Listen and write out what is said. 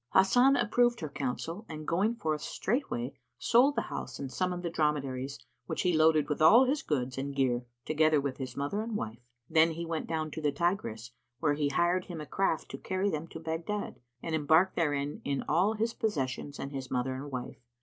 Hasan approved her counsel and going forth straightway, sold the house and summoned the dromedaries, which he loaded with all his goods and gear, together with his mother and wife. Then he went down to the Tigris, where he hired him a craft to carry them to Baghdad and embarked therein all his possessions and his mother and wife.